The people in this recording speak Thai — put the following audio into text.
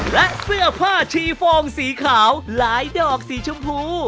และเสื้อผ้าชีฟองสีขาวหลายดอกสีชมพู